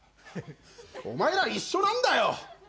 お前らは一緒なんだよ！